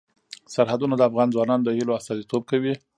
سرحدونه د افغان ځوانانو د هیلو استازیتوب کوي.